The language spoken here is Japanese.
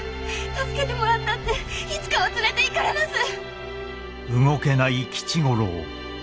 助けてもらったっていつかは連れていかれます！